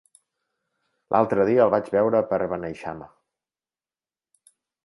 L'altre dia el vaig veure per Beneixama.